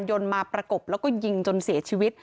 ยนต์มาประกบแล้วก็ยิงจนเสียชีวิต